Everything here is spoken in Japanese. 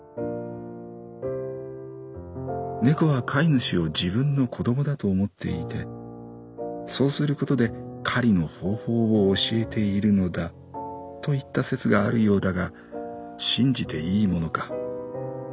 「猫は飼い主を自分の子供だと思っていてそうすることで狩りの方法を教えているのだといった説があるようだが信じていいものか。